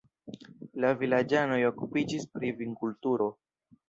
La vilaĝanoj okupiĝis pri vinkulturo.